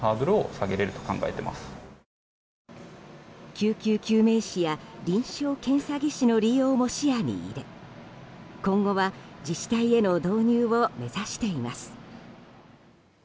救急救命士や臨床検査技師の利用も視野に入れ今後は自治体への導入を目指しています。